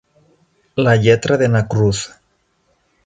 La lletra de na Cruz.